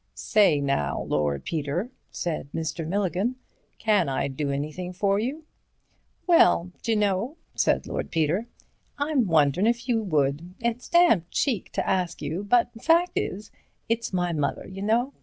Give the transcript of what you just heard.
"Say now, Lord Peter," said Mr. Milligan, "can I do anything for you?" "Well, d'you know," said Lord Peter, "I'm wonderin' if you would. It's damned cheek to ask you, but fact is, it's my mother, you know.